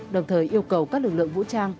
đồng thời yêu cầu các lực lượng vũ trang